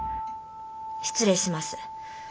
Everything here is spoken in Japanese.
失礼します。